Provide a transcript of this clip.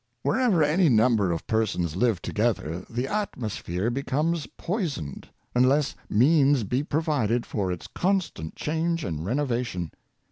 Wherever any number of persons live together, the atmosphere becomes poisoned, unless means be provided for its constant change and renovation.